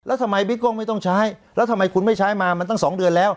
แล้วทำไมบิ๊กกล้องไม่ต้องใช้แล้วทำไมคุณไม่ใช้มามันตั้ง๒เดือนแล้ว